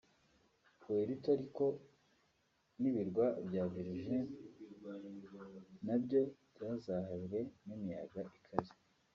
Puerto Rico n’ibirwa bya Virgins nabyo byazahajwe n’imiyaga ikaze